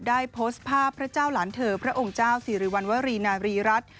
ได้โพสต์ภาพพระเจ้าหลานเธอพระองค์เจ้าสิริวัณวรีนารีรัฐ